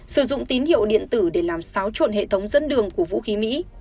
sử dụng tín hiệu điện tử để làm xáo trộn hệ thống dẫn đường của vũ khí mỹ